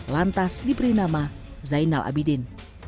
lantas diberi nama zainal abidin